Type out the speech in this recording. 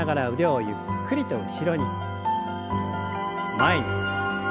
前に。